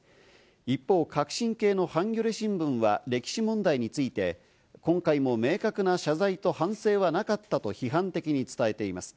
一方、革新系のハンギョレ新聞は歴史問題について、今回も明確な謝罪と反省はなかったと批判的に伝えています。